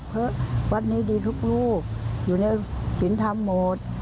เผลอวัดนี้ดีทุกลูกอยู่ในศีลธรรมหมวด